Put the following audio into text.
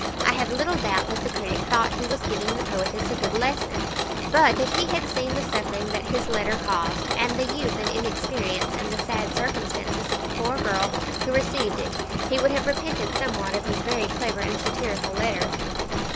I have little doubt that the critic thought he was giving the poetess a good lesson; but if he had seen the suffering that his letter caused, and the youth and inexperience, and the sad circumstances of the poor girl who received it, he would have repented somewhat of his very clever and satirical letter.